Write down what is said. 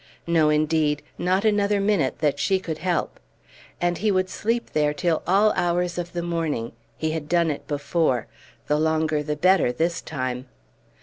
No, indeed; not another minute that she could help! And he would sleep there till all hours of the morning; he had done it before; the longer the better, this time.